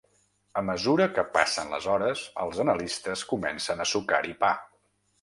A mesura que passen les hores, els analistes comencen a sucar-hi pa.